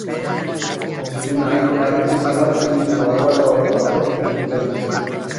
Gutunak larriki salatzen ditu arau hau apurtzen dutenak.